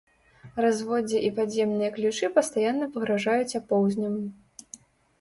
Разводдзе і падземныя ключы пастаянна пагражаюць апоўзнем.